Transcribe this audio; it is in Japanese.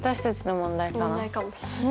問題かもしれない。